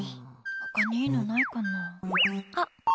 他にいいのないかな。